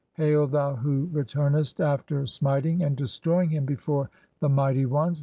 Hail, thou who returnest after "smiting and destroying him before the mighty ones!